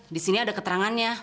disini ada keterangannya